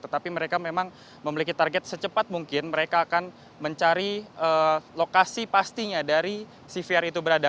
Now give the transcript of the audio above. tetapi mereka memang memiliki target secepat mungkin mereka akan mencari lokasi pastinya dari cvr itu berada